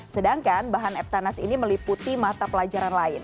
sedangkan bahan eptanas ini meliputi mata pelajaran lain